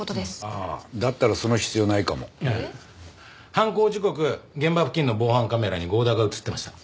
犯行時刻現場付近の防犯カメラに剛田が映ってました。